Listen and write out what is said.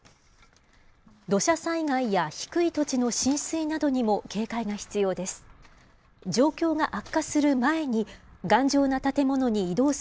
土砂災害や低い土地の浸水などにも警戒が必要です。